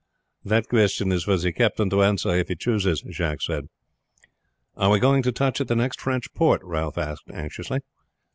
that question is for the captain to answer if he chooses," Jacques said. "Are we going to touch at the next French port?" Ralph asked anxiously.